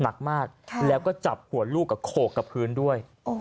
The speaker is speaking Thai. หนักมากแล้วก็จับหัวลูกกับโขกกับพื้นด้วย